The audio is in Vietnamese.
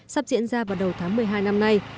sắp diễn ra vào đầu tháng một mươi hai năm nay